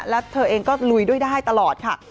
แล้วเธอเองก็ลุยด้วยได้ตลอดค่ะ